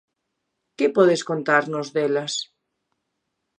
Que podes contarnos delas?